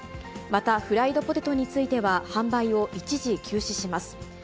またフライドポテトについては、販売を一時休止します。